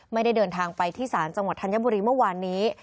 ไม่ได้เดินทางไปที่ศาลจังหวัดธัญบุรีเมื่อวานนี้